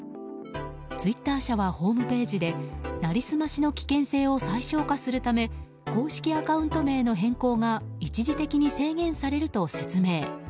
ツイッター社はホームページで成り済ましの危険性を最小化するため公式アカウント名の変更が一時的に制限されると説明。